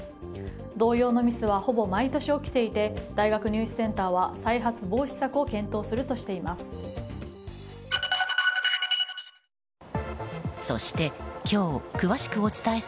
同様のミスはほぼ毎年起きていて大学入試センターは再発防止策を検討するとしています。